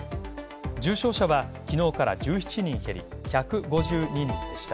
重症者はきのうから１７人減り、１５２人でした。